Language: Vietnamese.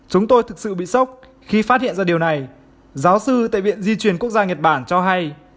chúng tôi thực sự bị sốc khi phát hiện ra điều này giáo sư tại viện di chuyển quốc gia nhật bản cho hay